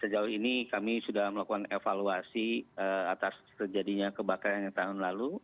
sejauh ini kami sudah melakukan evaluasi atas terjadinya kebakaran yang tahun lalu